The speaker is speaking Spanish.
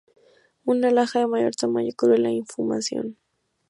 Una laja de mayor tamaño cubre la inhumación.